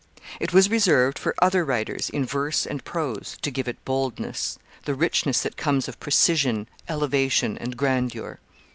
It was reserved for other writers, in verse and prose, to give it boldness, the richness that comes of precision, elevation, and grandeur.